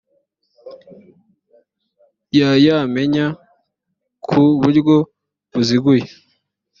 yayamenye ku buryo buziguye